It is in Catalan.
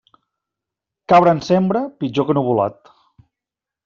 Cabra en sembra, pitjor que nuvolat.